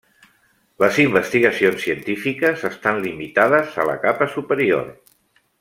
Les investigacions científiques estan limitades a la capa superior.